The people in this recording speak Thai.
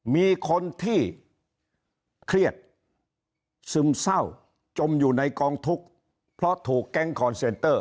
มีคนที่เครียดซึมเศร้าจมอยู่ในกองทุกข์เพราะถูกแก๊งคอนเซนเตอร์